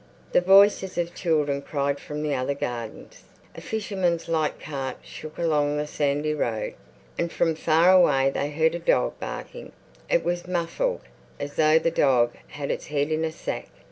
The voices of children cried from the other gardens. A fisherman's light cart shook along the sandy road, and from far away they heard a dog barking; it was muffled as though the dog had its head in a sack.